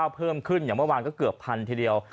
เพิ่มขึ้นอย่างเมื่อวานก็เกือบพันทีเดียว